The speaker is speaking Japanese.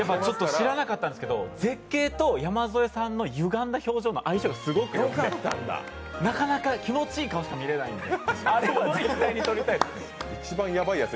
知らなかったんですけど絶景と山添さんのゆがんだ表情の相性がすごくよくて、なかなか気持ちいいのしか見れないんで。